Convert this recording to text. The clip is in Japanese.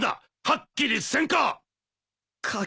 はっきりせんか！